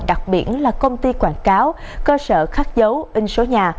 đặc biệt là công ty quảng cáo cơ sở khắc dấu in số nhà